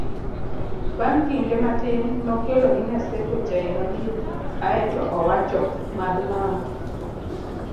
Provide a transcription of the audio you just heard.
bang' kinde matin nokelo ni Naseko chaye maliet ae to owacho 'madh mama